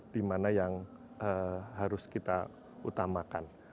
di mana yang harus kita utamakan